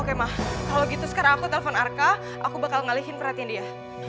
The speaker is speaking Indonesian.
oke mah kalau gitu sekarang aku telpon arka aku bakal ngalihin perhatian dia